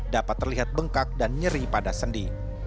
dapat terlihat bengkak dan nyeri pada sendi